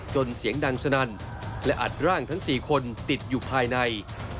เสียงดังสนั่นและอัดร่างทั้ง๔คนติดอยู่ภายใน